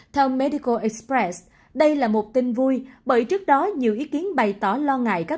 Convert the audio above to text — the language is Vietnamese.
theo medical express đây là một tin vui bởi trước đó nhiều ý kiến bày tỏ lo ngại các